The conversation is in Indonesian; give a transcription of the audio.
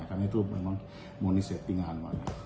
karena itu memang moni settingan